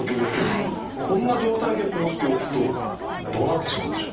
こんな状態で放っておくとどうなってしまうんでしょう？